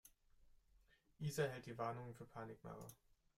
Isa hält die Warnungen für Panikmache.